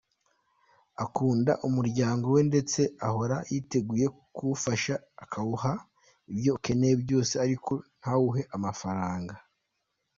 Akunda umuryango we ndetse ahora yiteguye kuwufasha, akawuha ibyo ukeneye byose ariko ntawuhe amafaranga.